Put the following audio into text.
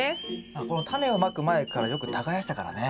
このタネをまく前からよく耕したからね。